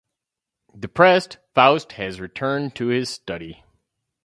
Depressed, Faust has returned to his study.